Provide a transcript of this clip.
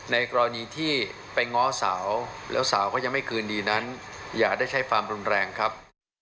ในกรณีที่ไปง้อสาวแล้วสาวก็ยังไม่คืนดีนั้นอย่าได้ใช้ความรุนแรงครับ